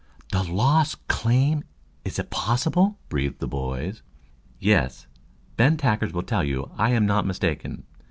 "The Lost Claim! Is it possible?" breathed the boys. "Yes, Ben Tackers will tell you I am not mistaken.